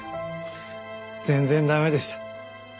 全然駄目でした。